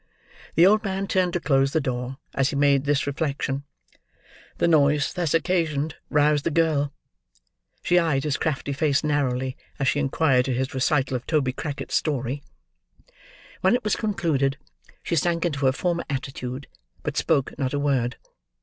The old man turned to close the door, as he made this reflection; the noise thus occasioned, roused the girl. She eyed his crafty face narrowly, as she inquired to his recital of Toby Crackit's story. When it was concluded, she sank into her former attitude, but spoke not a word.